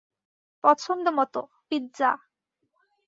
পছন্দমত, পিৎজা।